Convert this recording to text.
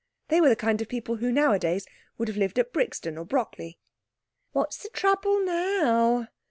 They were the kind of people who, nowadays, would have lived at Brixton or Brockley. "What's the trouble now?"